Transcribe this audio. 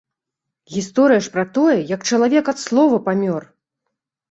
Гісторыя ж пра тое, як чалавек ад слова памёр!